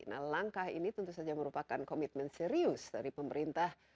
nah langkah ini tentu saja merupakan komitmen serius dari pemerintah